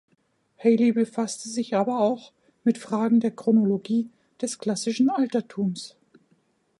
Halley befasste sich aber auch mit Fragen der Chronologie des Klassischen Altertums.